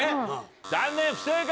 残念不正解！